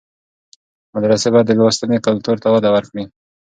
مدرسې باید د لوستنې کلتور ته وده ورکړي.